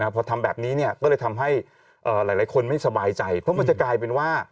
พอทำแบบนี้ก็เลยทำให้หลายคนไม่สบายใจเพราะมันจะกลายเป็นว่า